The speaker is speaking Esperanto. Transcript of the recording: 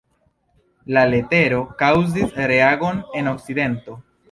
La letero kaŭzis reagon en Okcidento.